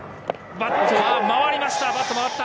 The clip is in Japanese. バットは回りました。